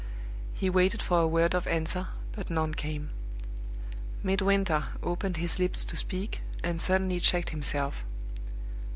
He waited for a word of answer, but none came. Midwinter opened his lips to speak, and suddenly checked himself.